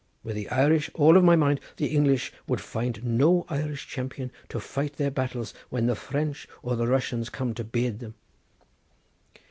Were the Irish all of my mind, the English would find no Irish champion to fight their battles when the French or the Russians come to beard them."